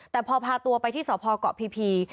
แต่พอพาตัวไปที่สพเกาะพี